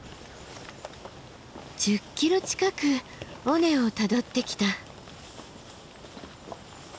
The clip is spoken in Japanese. １０ｋｍ近く尾根をたどってきた。